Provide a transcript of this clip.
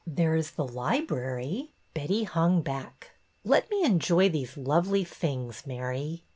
There is the library." Betty hung back. Let me enjoy these lovely things, Mary."